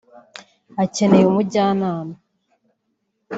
Akeneye umujyanama